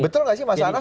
betul nggak sih mas aras